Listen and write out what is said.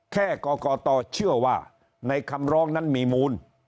กรกตเชื่อว่าในคำร้องนั้นมีมูล